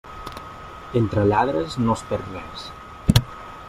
Entre lladres no es perd res.